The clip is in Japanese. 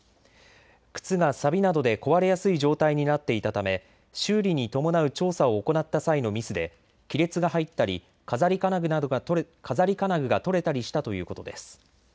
くつがさびなどで壊れやすい状態になっていたため修理に伴う調査を行った際のミスで亀裂が入ったり飾り金具が取れたりしたということです。